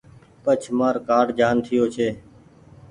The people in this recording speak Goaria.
پڇ مآر ڪآرڊ جآن ٺييو ڇي۔